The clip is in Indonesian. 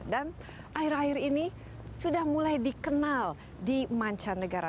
dan akhir akhir ini sudah mulai dikenal di mancanegara